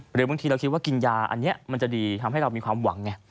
หรือบางทีเราคิดว่ากินยาอันนี้มันจะดีทำให้เรามีความหวังไง